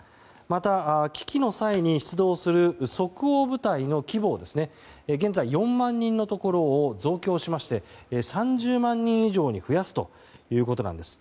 また、危機の際に出動する即応部隊の規模を現在、４万人のところを増強しまして３０万人以上に増やすということなんです。